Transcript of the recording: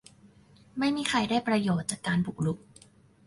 ไม่มีใครได้ประโยชน์จากการบุกรุก